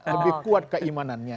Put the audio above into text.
lebih kuat keimanannya